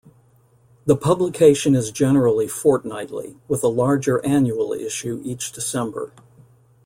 The publication is generally fortnightly, with a larger annual issue each December.